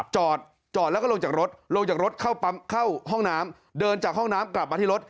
จอดจอดแล้วก็ลงจากรถลงจากรถเข้าปั๊มเข้าห้องน้ำเดินจากห้องน้ำกลับมาที่รถ